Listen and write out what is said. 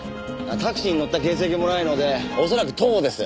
タクシーに乗った形跡もないので恐らく徒歩です。